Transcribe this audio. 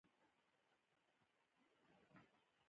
هغوی بیت المقدس او بیت الله شریف ته روان وو.